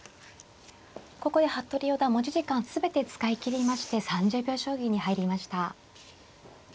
ここで服部四段持ち時間全て使い切りまして３０秒将棋に入りました。